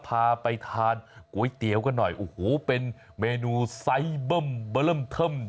พาไปทานก๋วยเตี๋ยวกันหน่อยโอ้โหเป็นเมนูไซ่บ้ำบะเริ่มท่ำ